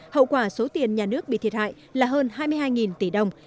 hậu quả số tiền nhà nước bị thiệt hại là hơn hai mươi hai tỷ đồng